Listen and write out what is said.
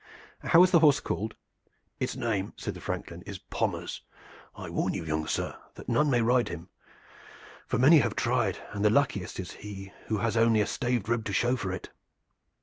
How is the horse called?" "Its name," said the franklin, "is Pommers. I warn you, young sir, that none may ride him, for many have tried, and the luckiest is he who has only a staved rib to show for it."